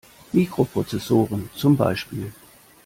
Mikroprozessoren zum Beispiel.